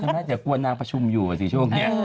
น่าจะกวนนางประชุมอยู่สิช่วงนี้